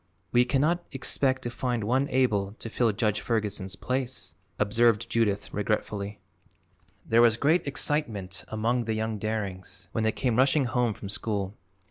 "We cannot expect to find one able to fill Judge Ferguson's place," observed Judith regretfully. There was great excitement among the young Darings when they came rushing home from school.